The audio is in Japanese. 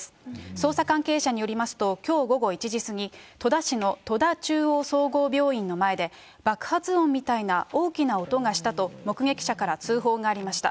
捜査関係者によりますと、きょう午後１時過ぎ、戸田市の戸田中央総合病院の前で、爆発音みたいな大きな音がしたと、目撃者から通報がありました。